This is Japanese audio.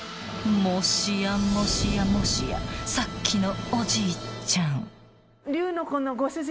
［もしやもしやもしやさっきのおじいちゃん］